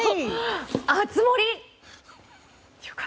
熱盛！